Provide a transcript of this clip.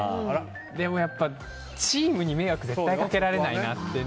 でも絶対チームに迷惑かけられないなって。